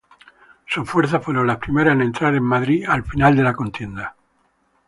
Sus fuerzas fueron las primeras en entrar en Madrid, al final de la contienda.